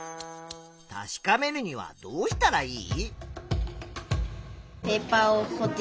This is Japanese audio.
確かめるにはどうしたらいい？